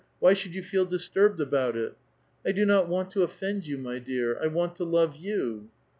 Why should you feel disturbed about it?" ^^ I do not want to offend you, my dear ; I want to love you."